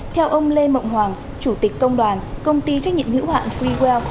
theo ông lê mộng hoàng chủ tịch công đoàn công ty trách nhiệm hữu hạn freewell